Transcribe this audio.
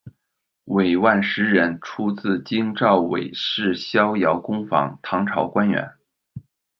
韦万石人，出自京兆韦氏逍遥公房，唐朝官员。